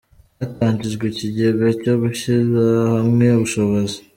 Hatangijwe ikigega cyo gushyira hamwe ubushobozi.